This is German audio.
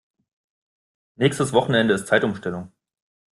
Nächstes Wochenende ist Zeitumstellung.